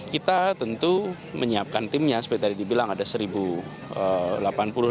kita tentu menyiapkan timnya seperti tadi dibilang ada satu delapan puluh